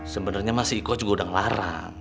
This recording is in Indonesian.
sebenarnya mas iko juga udah ngelarang